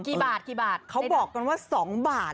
กี่บาทใดเขาบอกกันว่า๒บาท